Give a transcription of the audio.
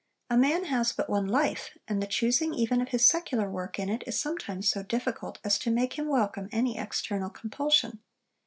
A man has but one life, and the choosing even of his secular work in it is sometimes so difficult as to make him welcome any external compulsion.